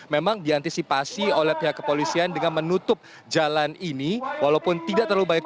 memang diantisipasi oleh pihak kepolisian dengan menutup jalan ini walaupun tidak terlalu banyak